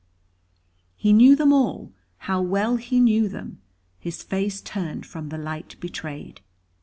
He knew them all; how well he knew them, his face turned from the light betrayed.